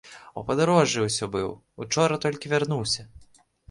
У падарожжы ўсё быў, учора толькі вярнуўся.